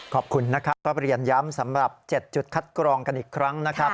ขอบคุณนะครับก็เรียนย้ำสำหรับ๗จุดคัดกรองกันอีกครั้งนะครับ